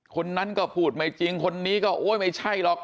คนนั้นก็พูดไม่จริงคนนี้ก็โอ๊ยไม่ใช่หรอก